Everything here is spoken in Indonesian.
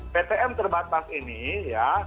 ptm terbatas ini ya